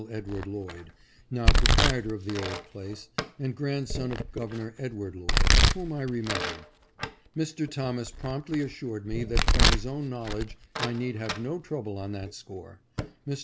Edward Lloyd, now proprietor of the old place, and grandson of Governor Ed. Lloyd, whom I remembered. Mr. Thomas promptly assured me that from his own knowledge I need have no trouble on that score. Mr.